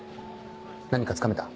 何かつかめた？